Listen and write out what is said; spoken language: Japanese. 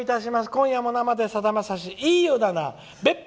「今夜も生でさだまさしいい湯だな別府！